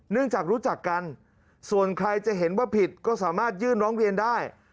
เนื่องจากรู้จักกันส่วนใครจะเห็นว่าผิดก็สามารถยื่นร้องเรียนได้